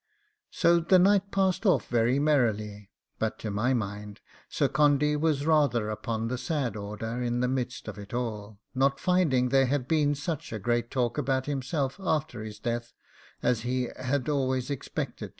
So the night passed off very merrily, but to my mind Sir Condy was rather upon the sad order in the midst of it all, not finding there had been such a great talk about himself after his death as he had always expected to hear.